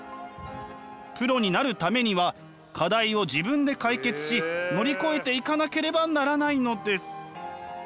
プロになるためには課題を自分で解決し乗り越えていかなければならないのです。